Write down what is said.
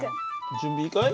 準備いいかい？